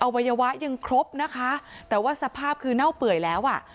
วัยวะยังครบนะคะแต่ว่าสภาพคือเน่าเปื่อยแล้วอ่ะ